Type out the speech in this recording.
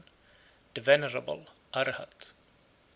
The Venerable (Arhat).